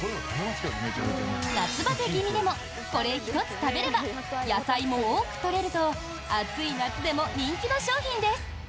夏バテ気味でもこれ１つ食べれば野菜も多く取れると暑い夏でも人気の商品です！